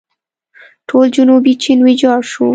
ټول جنوبي چین ویجاړ شو.